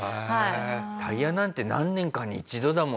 タイヤなんて何年かに一度だもんね